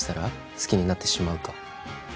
好きになってしまうか？